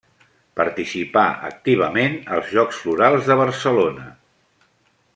Participà activament als Jocs Florals de Barcelona.